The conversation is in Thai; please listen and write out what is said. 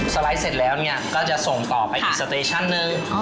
ไลด์เสร็จแล้วก็จะส่งต่อไปอีกสเตชั่นนึง